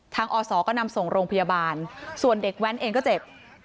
อศก็นำส่งโรงพยาบาลส่วนเด็กแว้นเองก็เจ็บ